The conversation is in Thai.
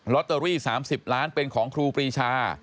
ตเตอรี่๓๐ล้านเป็นของครูปรีชา